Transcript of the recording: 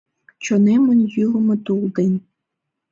Чонемын йÿлымö тул ден